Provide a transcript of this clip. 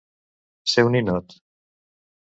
Ser un ninot.